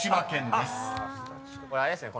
これあれですね。